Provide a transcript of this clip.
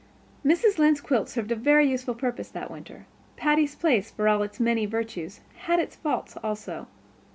Mrs. Lynde's quilts served a very useful purpose that winter. Patty's Place for all its many virtues, had its faults also.